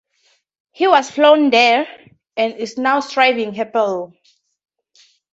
He was flown there and is now thriving happily.